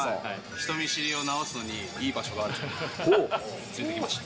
人見知りを直すにいい場所があると連れてきました。